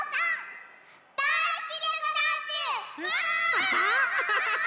アハハハハ！